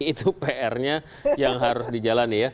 itu pr nya yang harus dijalani ya